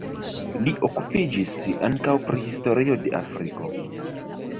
Li okupiĝis ankaŭ pri historio de Afriko.